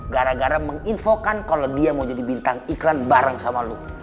gara gara menginfokan kalau dia mau jadi bintang iklan bareng sama lo